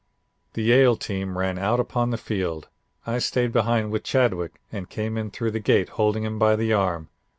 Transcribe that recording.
The Yale team ran out upon the field. I stayed behind with Chadwick and came in through the gate holding him by the arm.